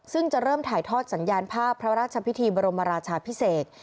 ซึ่งจะเริ่มถ่ายทอดสัญญาณภาพพระราชพิธีบรมราชาพิเศษ